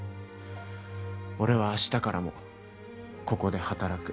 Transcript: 俺は明日からもここで働く。